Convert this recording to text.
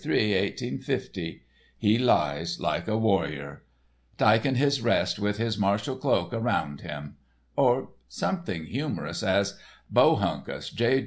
3, 1850—He Lies Like a Warrior, Tyking His Rest with His Martial Cloak Around Him'; or something humorous, as 'Bohunkus, J.